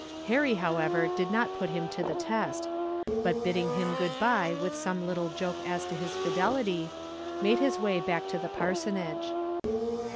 Harry, however, did not put him to the test; but bidding him good bye with some little joke as to his fidelity, made his way back to the parsonage.